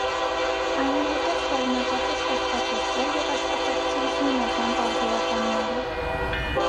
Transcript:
Այնուհետեւ շարունակած է ստեղծագործել եւ աշխատակցիլ զանազան պարբերականներու։